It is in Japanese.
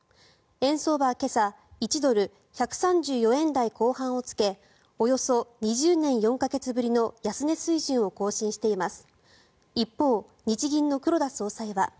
円相場は今朝１ドル＝１３４円台後半をつけおよそ２０年４か月ぶりの安値水準を更新しています。